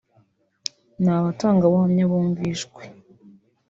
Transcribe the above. nta batangabuhamya bumvishwe